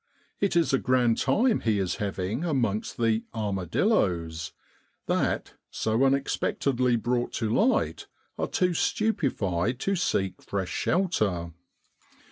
It is a grand time he is having amongst the ' armadilloes' that, so unexpected ly brought to light, are too stupe fied to seek fresh shelter.